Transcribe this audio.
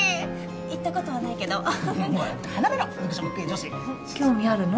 行ったことはないけどお前離れろ肉食系女子興味あるの？